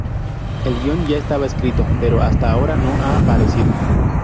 El guion ya estaba escrito, pero hasta ahora no ha aparecido.